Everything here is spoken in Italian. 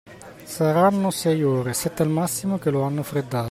Saranno sei ore, sette al massimo, che lo hanno freddato.